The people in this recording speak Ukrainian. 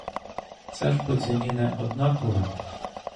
Все ж по ціні не однакове.